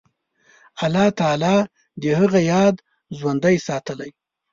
الله تعالی د هغه یاد ژوندی ساتلی.